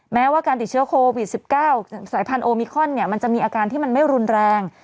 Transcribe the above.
แม้ว่าการติดเชื้อโควิด๑๙สายพันธุมิคอนเนี่ยมันจะมีอาการที่มันไม่รุนแรง